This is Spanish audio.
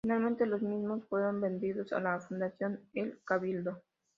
Finalmente los mismos fueron vendidos a la fundación "El Cabildo".